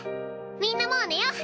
みんなもう寝よう。